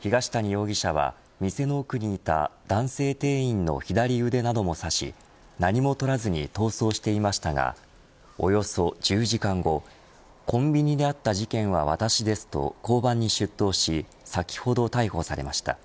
東谷容疑者は、店の奥にいた男性店員の左腕なども刺し何も取らずに逃走していましたがおよそ１０時間後コンビニであった事件は私ですと交番に出頭し先ほど、逮捕されました。